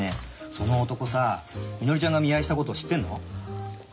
その男さみのりちゃんが見合いしたこと知ってんの？